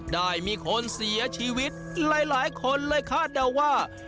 ได้มีคนเสียชีวิตหลายคนเลยคาดเดาว่า